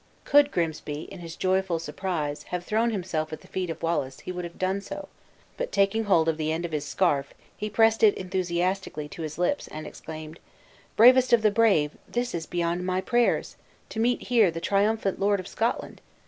Could Grimsby in his joyful surprise have thrown himself at the feet of Wallace, he would have done so; but taking hold of the end of his scarf, he pressed it enthusiastically to his lips, and exclaimed: "Bravest of the brave, this is beyond my prayers; to meet here the triumphant lord of Scotland!